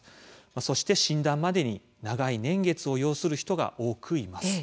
そして診断までに長い年月を要する人が多くいます。